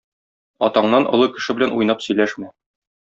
Атаңнан олы кеше белән уйнап сөйләшмә.